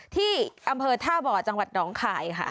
ที่อำเภอท่าบ่อจังหวัดหนองคายค่ะ